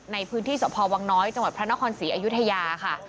ในพื้นที่สพวังน้อยจังหวัดพระนครศรีอยุธยาค่ะ